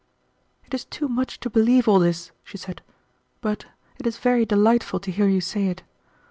"It is too much to believe all this," she said, "but it is very delightful to hear you say it.